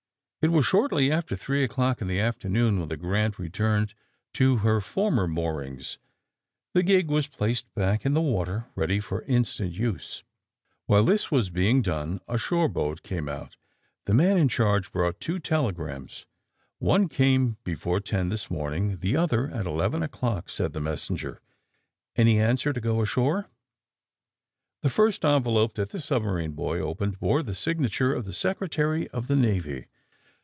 It was shortly after three o 'clock in the after noon when the '^ Grant '' returned to her former moorings. The gig was placed back in the water, ready for instant use. "While this was being done a shore boat came out. The man in charge brought two telegrams. *^ One came before ten this morning, the other at eleven o'clock," said the messenger. Any answer to go ashore!" The first envelope that the submarine boy opened bore the signature of the Secretary of the Navy.